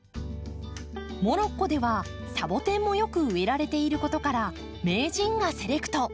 モロッコではサボテンもよく植えられていることから名人がセレクト。